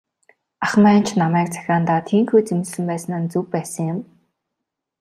Ах маань ч намайг захиандаа тийнхүү зэмлэсэн байсан нь зөв байсан юм.